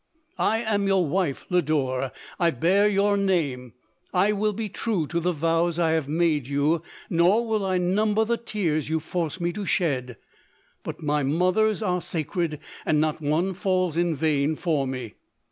I am your wife, Lodore ; I bear your name ; I will be true to the vows I have made you, nor will I number the tears you force me to shed ; but my mother's are sacred, and not one falls in vain for me.